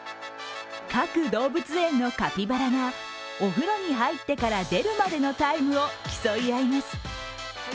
各動物園のカピバラがお風呂に入ってから出るまでのタイムを競い合います。